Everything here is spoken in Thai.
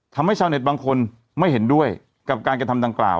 ทำให้ชาวเน็ตบางคนไม่เห็นด้วยกับการกระทำดังกล่าว